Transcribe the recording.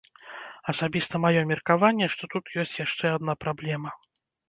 Асабіста маё меркаванне, што тут ёсць яшчэ адна праблема.